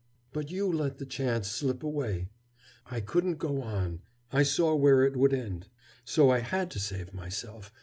But you let the chance slip away. I couldn't go on. I saw where it would end. So I had to save myself.